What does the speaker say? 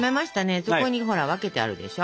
そこにほら分けてあるでしょ。